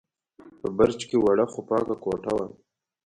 په برج کې وړه، خو پاکه کوټه وه.